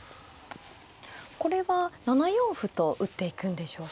これは７四歩と打っていくんでしょうか。